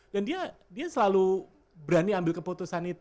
dan dia selalu berani ambil keputusan itu